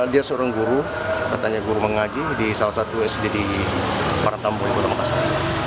dia seorang guru katanya guru mengaji di salah satu sd di para tamu di kota makassar